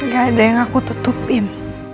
gak ada yang aku tutupin